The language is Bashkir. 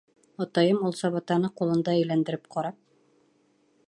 Атайым ул сабатаны ҡулында әйләндереп ҡарап: